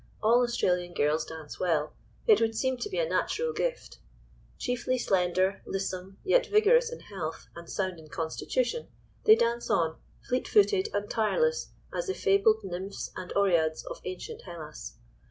All Australian girls dance well—it would seem to be a natural gift. Chiefly slender, lissom, yet vigorous in health, and sound in constitution, they dance on, fleet footed and tireless, as the fabled Nymphs and Oreads of ancient Hellas.